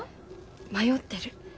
迷ってる。